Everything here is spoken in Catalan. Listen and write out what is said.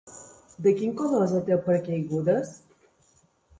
De quin color és el teu paracaigudes?